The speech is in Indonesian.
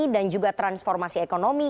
dan juga transformasi ekonomi